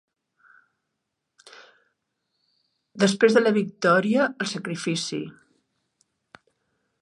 Després de la victòria, el sacrifici.